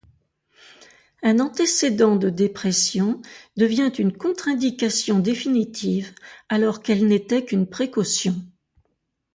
Un antécédent de dépression devient une contre-indication définitive alors qu'elle n'était qu'une précaution.